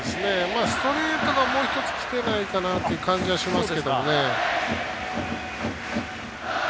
ストレートがもう一つきてないかなという感じはします。